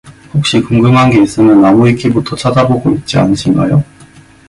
혹시 궁금한 게 있으면 나무위키부터 찾아보고 있지 않으신가요?